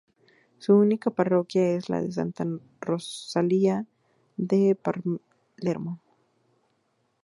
Su única parroquia es la de Santa Rosalía de Palermo.